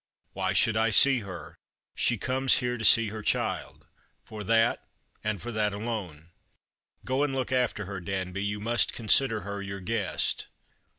" Why should I see her ? She comes here to see her child — for that and for that alone. Go and look after her, Danby. You must consider her your guest."